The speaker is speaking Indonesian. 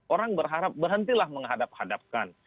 orang berharap berhentilah menghadap hadapkan